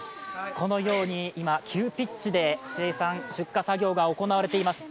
このように、今、急ピッチで生産・出荷作業が行われています。